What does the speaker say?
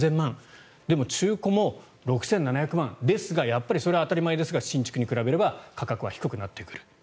でも中古も、６７００万円ですがそれは当たり前ですが新築に比べれば価格は低くなってくる。